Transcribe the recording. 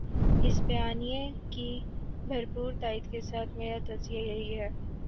اس بیانیے کی بھرپور تائید کے ساتھ میرا تجزیہ یہی ہے